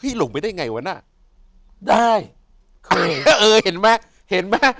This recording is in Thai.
เราหลงไปได้ไงวะน่าได้เห็นมั้ย